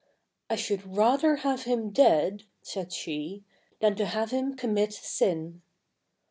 ''I should rather have him dead," said she, "than to have him commit sin."